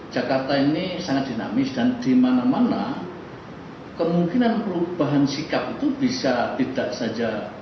jakarta ini sangat dinamis dan di mana mana kemungkinan perubahan sikap itu bisa tidak saja